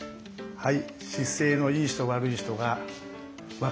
はい。